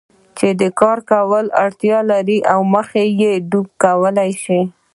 چې د کار کولو وړتیا لري او مخه يې ډب کولای شي.